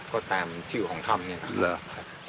ก็ตามชื่อของถ้ำเนี่ยนะ